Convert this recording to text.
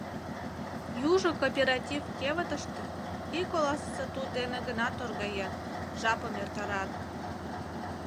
Южо кооператив кевытыште, ик оласе сату дене гына торгаен, жапым эртарат.